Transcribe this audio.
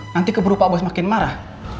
nanti keburu pak bos makin marah